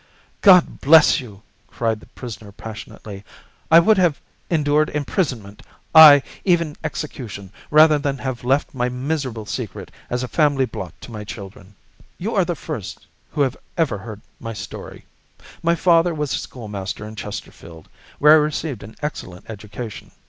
"God bless you!" cried the prisoner passionately. "I would have endured imprisonment, ay, even execution, rather than have left my miserable secret as a family blot to my children. "You are the first who have ever heard my story. My father was a schoolmaster in Chesterfield, where I received an excellent education.